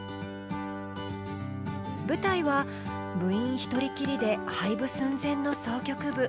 舞台は部員一人きりで廃部寸前の箏曲部。